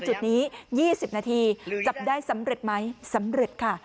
จุดนี้๒๐นาทีจับได้สำเร็จไหมสำเร็จค่ะ